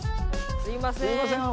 すいません。